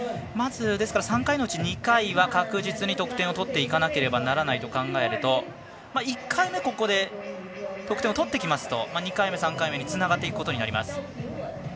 まず、３回のうち２回は確実に得点を取っていかなければいけないと考えると１回目、ここで得点を取ってきますと２回目３回目につながっていくことになります。